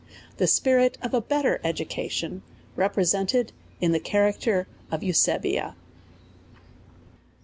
The spirit of a better Education represented in the Cha racter oyEusebia.